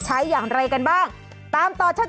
ใช้เมียได้ตลอด